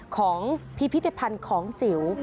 ของพิพิธภัณฑ์ของจิ๋ว